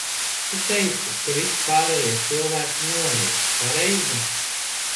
Tu teici, ka visi pārējie cilvēki nomira, pareizi?